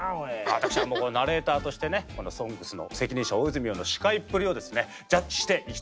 私はナレーターとしてね「ＳＯＮＧＳ」の責任者大泉洋の司会っぷりをジャッジしていきたいと思います。